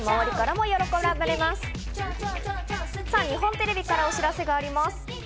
日本テレビからお知らせがあります。